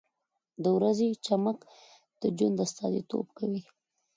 • د ورځې چمک د ژوند استازیتوب کوي.